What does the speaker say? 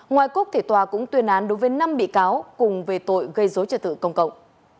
ngoài cúc tòa cũng tuyên án đối với năm bị cáo cùng về tội gây dối trật tự công cộng